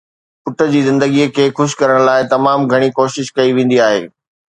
پٽ جي زندگيءَ کي خوش ڪرڻ لاءِ تمام گهڻي ڪوشش ڪئي ويندي آهي